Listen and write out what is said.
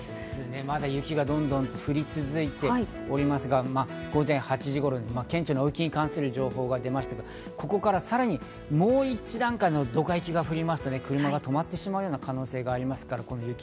まだ雪がどんどん降り続いておりますが、午前８時頃に顕著な大雪に関する情報が出ましたが、ここからさらにもう１段階のドカ雪が降りますと、車が止まってしまうような可能性があります。